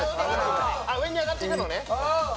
あっ上に上がっていくのね。